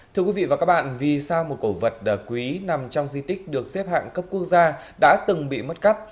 thưa quý vị và các bạn vì sao một cổ vật quý nằm trong di tích được xếp hạng cấp quốc gia đã từng bị mất cắp